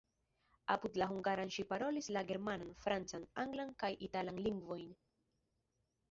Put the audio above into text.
Apud la hungaran ŝi parolis la germanan, francan, anglan kaj italan lingvojn.